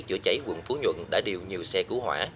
chữa cháy quận phú nhuận đã điều nhiều xe cứu hỏa